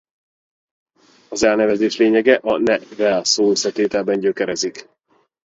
Az elnevezés lényege a ne-vel szóösszetételben gyökerezik.